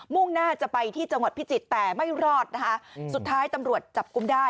่งหน้าจะไปที่จังหวัดพิจิตรแต่ไม่รอดนะคะสุดท้ายตำรวจจับกุมได้